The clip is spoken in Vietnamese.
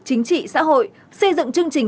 chính trị xã hội xây dựng chương trình